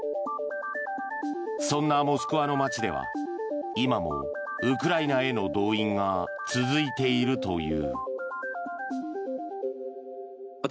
そんなモスクワの街では今もウクライナへの動員が続いているという。